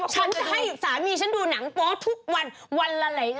ฉันจะให้สามีฉันดูหนังโป๊ทุกวันวันละหลายงาน